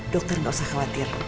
dokter enggak usah khawatir